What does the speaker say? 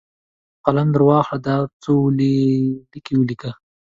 قلم درواخله ، دا څو لیکي ولیکه!